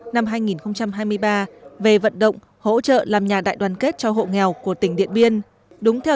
năm hai nghìn hai mươi ba về vận động hỗ trợ làm nhà đại đoàn kết cho hộ nghèo của tỉnh điện biên đúng theo